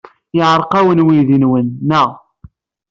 Yeɛreq-awen weydi-nwen, naɣ?